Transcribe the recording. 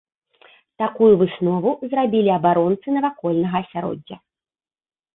Такую выснову зрабілі абаронцы навакольнага асяроддзя.